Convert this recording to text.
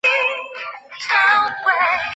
仙馔密酒是指希腊神话中诸神的食物。